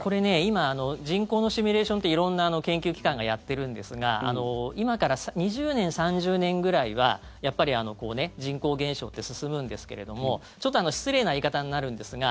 今人口のシミュレーションって色んな研究機関がやってるんですが今から２０年、３０年ぐらいは人口減少って進むんですけどちょっと失礼な言い方になるんですが